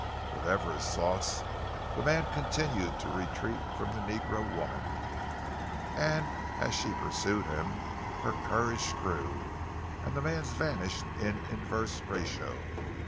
Whatever his thoughts, the man continued to retreat from the negro woman, and as she pursued him, her courage grew, and the man's vanished in inverse ratio.